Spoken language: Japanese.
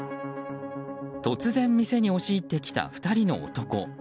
突然、店に押し入ってきた２人の男。